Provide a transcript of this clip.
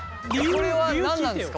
これは何なんですか？